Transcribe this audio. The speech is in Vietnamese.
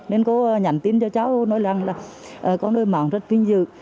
nên cô nhắn tin cho cháu nói rằng là con người mạng rất vinh dự